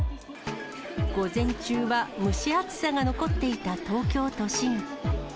午前中は蒸し暑さが残っていた東京都心。